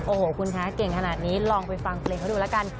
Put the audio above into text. โอ้โหคุณคะเก่งขนาดนี้ลองไปฟังเพลงเขาดูแล้วกัน